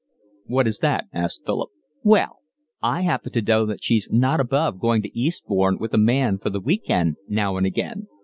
"What is that?" asked Philip. "Well, I happen to know that she's not above going to Eastbourne with a man for the week end now and again.